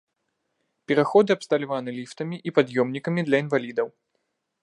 Пераходы абсталяваны ліфтамі і пад'ёмнікамі для інвалідаў.